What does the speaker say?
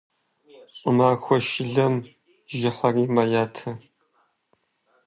ЩӀымахуэ шылэм жьыхэри мэятэ.